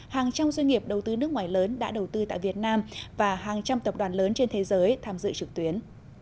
hàng trăm doanh nghiệp đầu tư nước ngoài lớn đã đầu tư tại việt nam và hàng trăm tập đoàn lớn trên thế giới tham dự trực tuyến